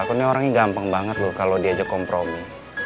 aku nih orangnya gampang banget loh kalo diajak kompromi